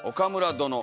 殿。